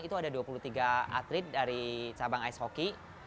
itu ada dua puluh tiga atlet dari cabang ice hockey